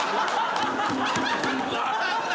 笑うな！